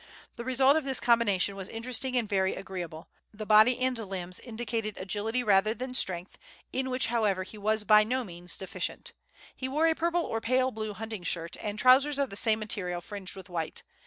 The result of this combination was interesting and very agreeable. The body and limbs indicated agility rather than strength, in which, however, he was by no means deficient. He wore a purple or pale blue hunting shirt, and trousers of the same material fringed with white.